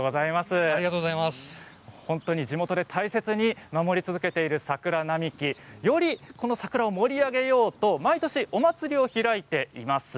地元で大切に守り続けている桜並木。よりこの桜を盛り上げようと毎年お祭りを開いています。